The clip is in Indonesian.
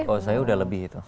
oh saya udah lebih itu